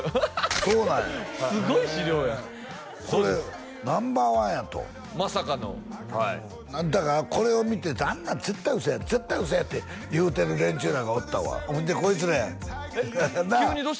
そうなんやすごい資料やこれナンバーワンやとまさかのだからこれを見てあんなん絶対嘘や絶対嘘やって言うてる連中らがおったわほんでこいつらやえっ急にどうしたんですか？